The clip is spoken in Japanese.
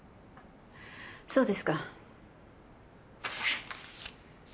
そうですか。